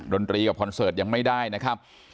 ดนตรีกับคอนเสิร์ตยังไม่ได้นะครับ